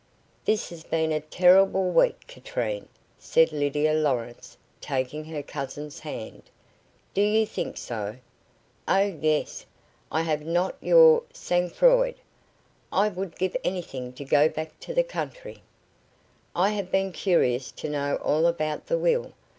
"This has been a terrible week, Katrine," said Lydia Lawrence, taking her cousin's hand. "Do you think so?" "Oh, yes. I have not your sang froid. I would give anything to go back to the country." "I have been curious to know all about the will.